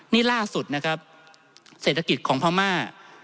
นี่ล่าสุดนะครับเศรษฐกิจของพม่า